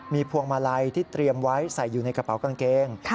มีพวงมาลัยที่เตรียมไว้ใส่อยู่ในกระเป๋ากางเกง